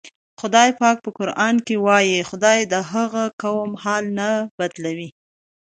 خدای پاک په قرآن کې وایي: "خدای د هغه قوم حال نه بدلوي".